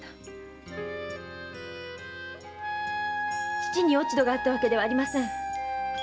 父に落ち度があったわけではありません！